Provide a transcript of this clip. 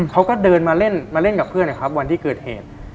เขาก็เดินมาเล่นมาเล่นกับเพื่อนนะครับวันที่เกิดเหตุ